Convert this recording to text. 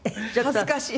恥ずかしい？